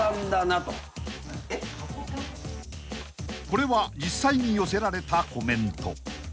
［これは実際に寄せられたコメント］